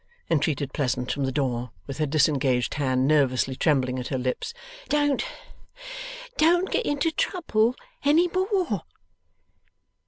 entreated Pleasant, from the door, with her disengaged hand nervously trembling at her lips; 'don't! Don't get into trouble any more!